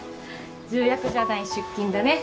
重役じゃない出勤だね。